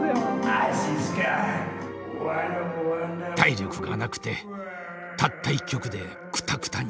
体力がなくてたった１曲でくたくたに。